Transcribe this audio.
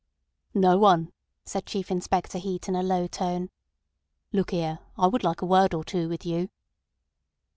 "No one," said Chief Inspector Heat in a low tone. "Look here, I would like a word or two with you."